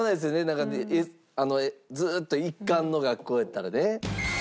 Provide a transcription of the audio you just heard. なんかずっと一貫の学校やったらね。